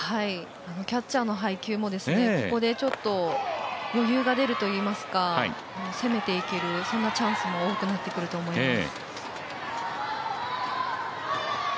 キャッチャーの配球も、ここでちょっと余裕が出るといいますか攻めていける、そんなチャンスも多くなってくると思います。